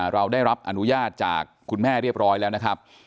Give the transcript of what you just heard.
เราได้รับอนุญาตจากคุณแม่เรียบร้อยแล้วนะครับ